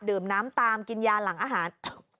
ดื่มน้ำตามกินยาหลังอาหาร